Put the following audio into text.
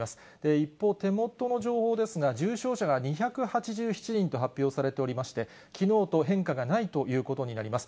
一方、手元の情報ですが、重症者が２８７人と発表されておりまして、きのうと変化がないということになります。